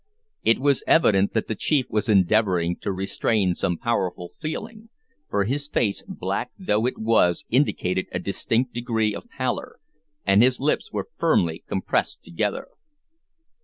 It was evident that the chief was endeavouring to restrain some powerful feeling, for his face, black though it was, indicated a distinct degree of pallor, and his lips were firmly compressed together.